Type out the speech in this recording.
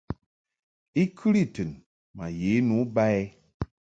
I kɨli tɨn ma ye nu ba i.